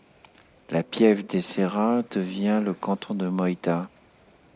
La pieve de Serra devient le canton de Moïta.